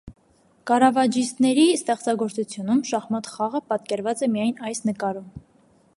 Կարավաջիստների ստեղծագործությունում շախմատ խաղը պատկերված է միայն այս նկարում։